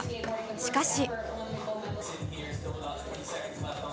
しかし。